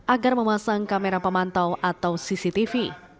agar memasang kamera pemantau atau cctv